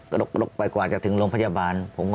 กระดกไปกว่าจากถึงโรงพยาบาลผมก็